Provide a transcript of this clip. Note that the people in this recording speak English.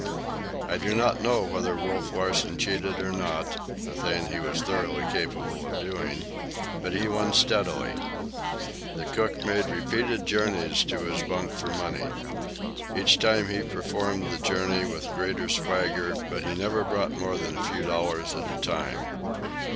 I do not know whether Wolf Larsen cheated or not,—a thing he was thoroughly capable of doing,—but he won steadily. The cook made repeated journeys to his bunk for money. Each time he performed the journey with greater swagger, but he never brought more than a few dollars at a time.